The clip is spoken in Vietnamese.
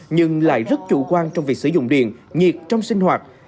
nhưng lại rất chủ quan trong việc sử dụng điện nhiệt trong sinh hoạt